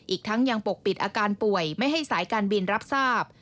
อีกทั้งยังปกปิดอาการป่วยไม่ให้สายการบินรับทราบ